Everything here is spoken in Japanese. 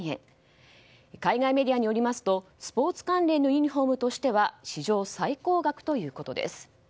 海外メディアによりますとスポーツ関連のユニホームとしては史上最高額ということです。